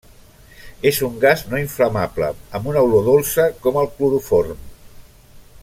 És un gas no inflamable amb una olor dolça com el cloroform.